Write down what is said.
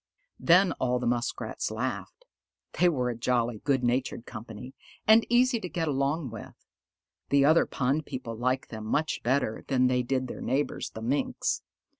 Then all the Muskrats laughed. They were a jolly, good natured company, and easy to get along with. The other pond people liked them much better than they did their neighbors, the Minks.